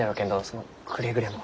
そのくれぐれも。